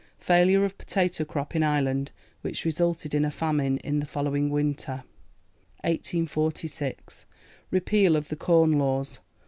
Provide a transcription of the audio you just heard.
Failure of potato crop in Ireland, which resulted in a famine in the following winter. 1846. Repeal of the Corn Laws.